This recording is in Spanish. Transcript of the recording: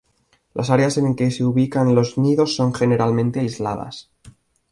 Las áreas en que se ubican los nidos son generalmente aisladas.